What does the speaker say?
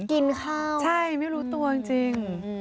กินข้าวใช่ไม่รู้ตัวจริง